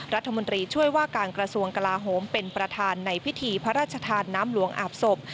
รัฐมนตรีช่วยว่าการกระทรวงกลาโหมเป็นประธานในพิธีพระราชทานน้ำหลวงอาบศพ